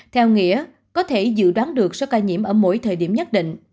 theo nghĩa có thể dự đoán được số ca nhiễm ở mỗi thời điểm nhất định